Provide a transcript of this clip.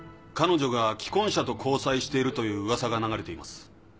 彼女が既婚者と交際しているという噂が流れています。